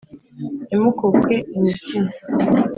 ntimukuke imitima